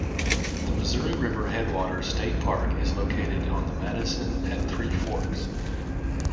The Missouri River Headwaters State Park is located on the Madison at Three Forks.